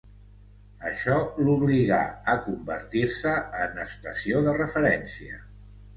Això l'obligà a convertir-se en estació de referència.